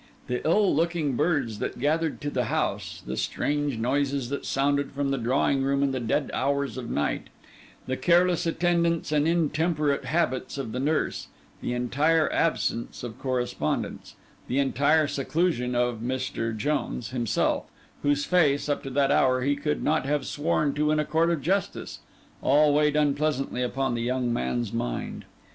The ill looking birds that gathered to the house, the strange noises that sounded from the drawing room in the dead hours of night, the careless attendance and intemperate habits of the nurse, the entire absence of correspondence, the entire seclusion of Mr. Jones himself, whose face, up to that hour, he could not have sworn to in a court of justice—all weighed unpleasantly upon the young man's mind.